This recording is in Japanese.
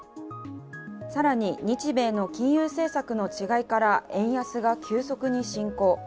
更に、日米の金融政策の違いから円安が急速に進行。